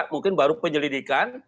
mungkin baru penyelidikan